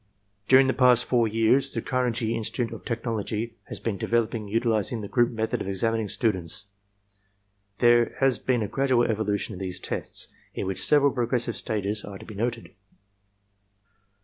"During the past four years the Carnegie Institute of Tech nology has been developing and utilizing the group method of examining students. There has been a gradual evolution in these tests, in which several progressive stages are to be noted.